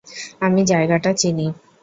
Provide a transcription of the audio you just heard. আমি জায়গাটা চিনি।